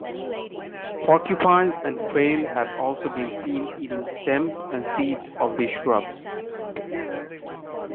Porcupines and quail have also been seen eating stems and seeds of these shrubs.